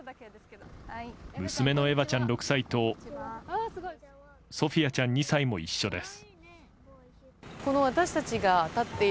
娘のエヴァちゃん、６歳とソフィアちゃん、２歳も一緒です。